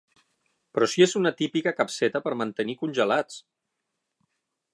Però si és una típica capseta per mantenir congelats!